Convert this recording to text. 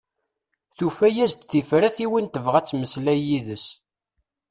Tufa-as-d tifrat i win tebɣa ad temmeslay yid-s.